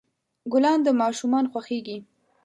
ګلان د ماشومان خوښیږي.